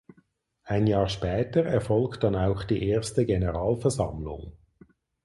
Ein Jahr später erfolgt dann auch die erste Generalversammlung.